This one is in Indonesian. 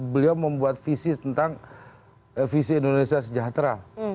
beliau membuat visi tentang visi indonesia sejahtera